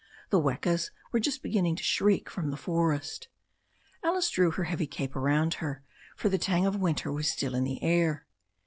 The wekas were just beginning to shriek from the forest. Alice drew her heavy cape around her, for the tang of winter was still in the air.